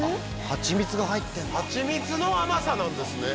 はちみつが入ってんだはちみつの甘さなんですね